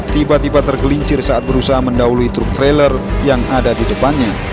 tiba tiba tergelincir saat berusaha mendahului truk trailer yang ada di depannya